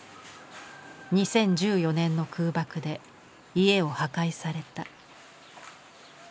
２０１４年の空爆で家を破壊された。